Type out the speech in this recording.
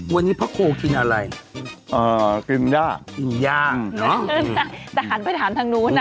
วันนี้พระครูกินอะไรเอ่อกินย่ากินย่าเนอะแต่หันไปถามทางนู้นนะ